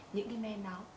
những cái men đó